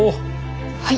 はい。